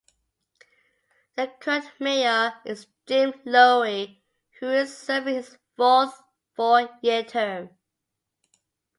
The current mayor is Jim Lowery, who is serving his fourth four-year term.